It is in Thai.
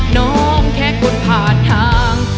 น้องแค่คนผ่านทาง